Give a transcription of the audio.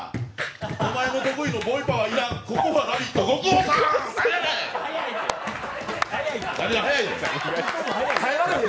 お前の得意のボイパは、いらん。